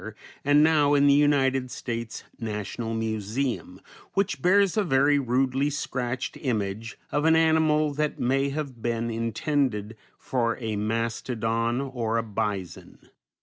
and now in the United States National Museum, which bears a very rudely scratched image of an animal that may have been intended for a mastodon or a bison.